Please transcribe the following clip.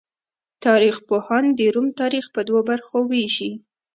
تاریخ پوهان د روم تاریخ په دوو برخو ویشي.